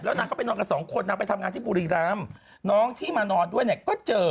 นางก็ไปนอนกับสองคนนางไปทำงานที่บุรีรำน้องที่มานอนด้วยเนี่ยก็เจอ